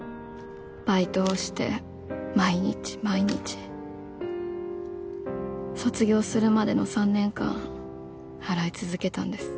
バイトをして毎日毎日卒業するまでの３年間払い続けたんです。